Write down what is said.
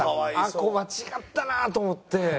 あそこ間違ったなと思って。